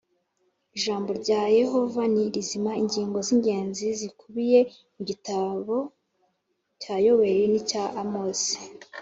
Ijambo rya yehova ni rizima ingingo z ingenzi z ibikubiye mu gitabo cya yoweli n icya amosi